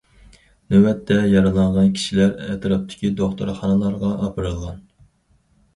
نۆۋەتتە يارىلانغان كىشىلەر ئەتراپتىكى دوختۇرخانىلارغا ئاپىرىلغان.